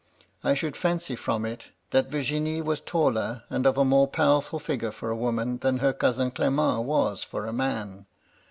I should fancy from it, that Virginie was taller and of a more powerful figure for a woman than her cousin Clement was for a man.